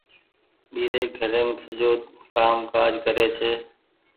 ٻيري گهريم سجو ڪآم ڪآج ڪري ڇي۔